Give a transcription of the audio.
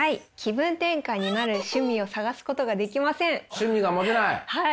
趣味が持てない？